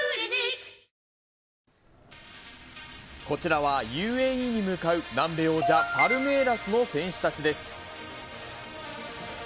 こちらはＵＡＥに向かう南米王者パルメイラスの選手たちです。